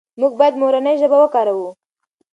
موږ باید مورنۍ ژبه وکاروو.